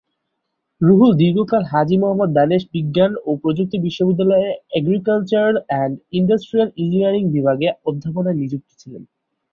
রুহুল দীর্ঘকাল হাজী মোহাম্মদ দানেশ বিজ্ঞান ও প্রযুক্তি বিশ্ববিদ্যালয়ের এগ্রিকালচারাল অ্যান্ড ইন্ডাস্ট্রিয়াল ইঞ্জিনিয়ারিং বিভাগে অধ্যাপনায় নিযুক্ত ছিলেন।